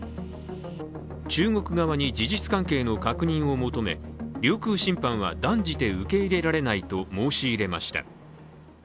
中国側に事実関係の確認を求め領空侵犯は断じて受け入れられないと申し入れました。